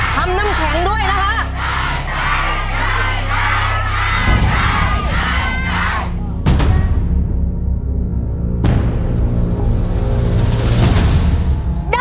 ได้ได้ได้ได้ได้ได้ได้ได้ได้ได้